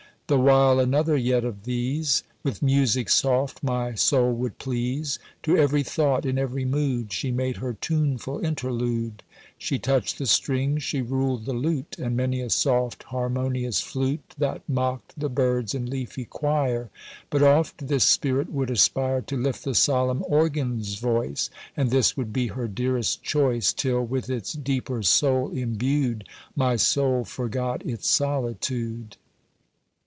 The while another yet of these With music soft my soul would please; To every thought in every mood She made her tuneful interlude: She touched the strings, she ruled the lute, And many a soft harmonious flute That mocked the birds in leafy quire; But oft this spirit would aspire To lift the solemn organ's voice, And this would be her dearest choice, Till, with its deeper soul embued, My soul forgot its solitude.